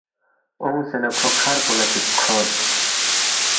اونگسے نہ کھو کَھر پو لہ چِک کھورس